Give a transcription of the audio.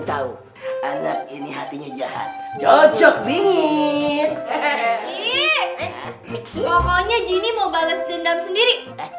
tahu anak ini hatinya jahat cocok bingit iii pokoknya gini mau bales dendam sendiri